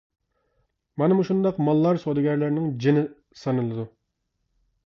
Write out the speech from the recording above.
مانا مۇشۇنداق ماللار سودىگەرلەرنىڭ جېنى سانىلىدۇ.